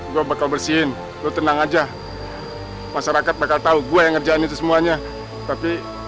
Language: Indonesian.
gue bakal bersihin lo tenang aja masyarakat bakal tahu gue yang ngerjain itu semuanya tapi